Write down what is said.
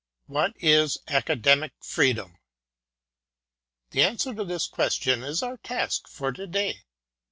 What is Academic Freedom ? The answer to this question is our task for to day.